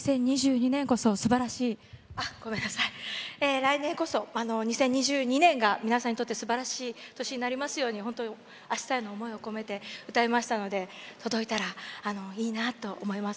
来年こそ２０２２年が皆さんにとってすばらしい年になりますように本当にあしたへの思いを込めて歌いましたので届いたらいいなと思います。